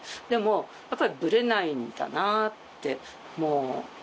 でもやっぱりブレないんだなってもう。